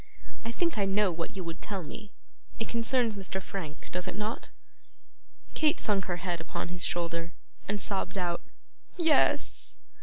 I think I know what you would tell me. It concerns Mr. Frank, does it not?' Kate sunk her head upon his shoulder, and sobbed out 'Yes.